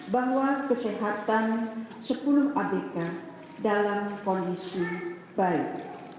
bahwa kesehatan sepuluh abk dalam kondisi baik